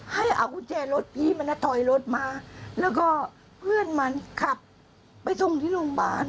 ให้เอากุญแจรถพี่มันถอยรถมาแล้วก็เพื่อนมันขับไปส่งที่โรงพยาบาล